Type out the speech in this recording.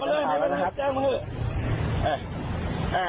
เออจับมาเลยแจ้งมาเลย